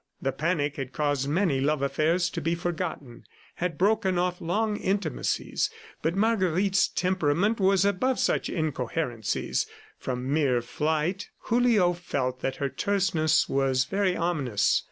The panic had caused many love affairs to be forgotten, had broken off long intimacies, but Marguerite's temperament was above such incoherencies from mere flight. Julio felt that her terseness was very ominous.